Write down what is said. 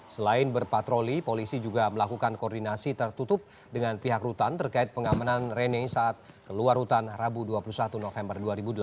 selain berpatroli polisi juga melakukan koordinasi tertutup dengan pihak rutan terkait pengamanan rene saat keluar rutan rabu dua puluh satu november dua ribu delapan belas